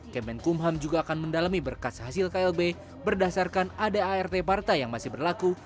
kemenkumham juga akan mendalami berkas hasil klb berdasarkan adart partai yang masih berlaku